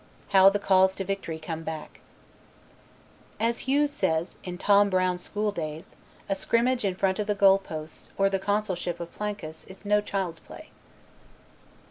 How the calls to victory come back! As Hughes says in Tom Brown's School Days, a scrimmage in front of the goal posts, or the Consulship of Plancus, is no child's play.